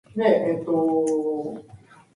Feng was born in Tianjin.